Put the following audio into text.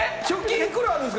いくらあるんすか？